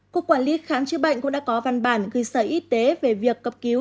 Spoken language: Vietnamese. cục quản lý kháng trị bệnh cũng đã có văn bản ghi sở y tế về việc cấp cứu